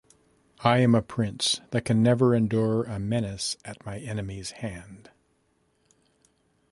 I am a prince that can never endure a menace at my enemy's hand.